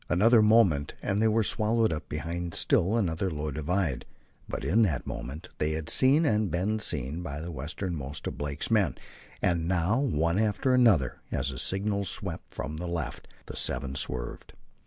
Another moment and they were swallowed up behind still another low divide, but in that moment they had seen and been seen by the westernmost of Blake's men, and now, one after another as the signals swept from the left, the seven swerved.